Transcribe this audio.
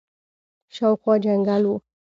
شاوخوا جنګل وو.